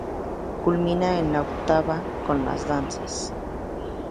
Culmina en la Octava con las Danzas.